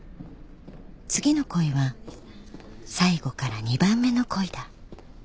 ［次の恋は最後から二番目の恋だ］